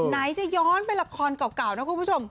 ไหนจะย้อนไปละครเก่านะคุณผู้ชม